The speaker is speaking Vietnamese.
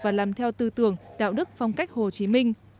và làm theo tư tưởng đạo đức phong cách hồ chí minh